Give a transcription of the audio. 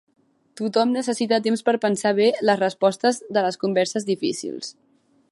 Tothom necessita temps per pensar bé les respostes de les converses difícils.